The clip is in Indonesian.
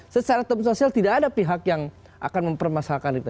secara term sosial tidak ada pihak yang akan mempermasalahkan itu